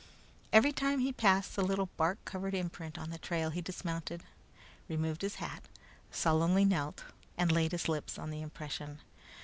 Every time he passed the little bark covered imprint on the trail he dismounted, removed his hat, solemnly knelt and laid his lips on the impression.